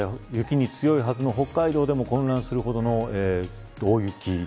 雪に強いはずの北海道でも混乱するほどの大雪